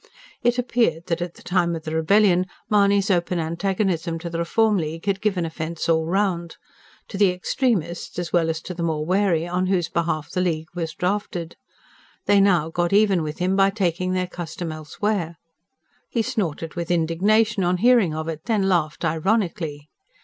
It appeared that, at the time of the rebellion, Mahony's open antagonism to the Reform League had given offence all round to the extremists as well as to the more wary on whose behalf the League was drafted. They now got even with him by taking their custom elsewhere. He snorted with indignation on hearing of it; then laughed ironically.